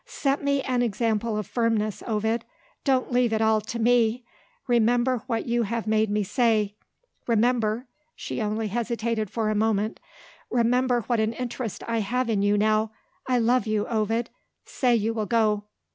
"Set me an example of firmness, Ovid don't leave it all to me! Remember what you have made me say. Remember" she only hesitated for a moment "remember what an interest I have in you now. I love you, Ovid. Say you will go."